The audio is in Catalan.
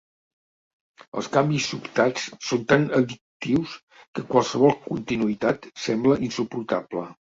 Els canvis sobtats són tan addictius que qualsevol continuïtat sembla insuportable.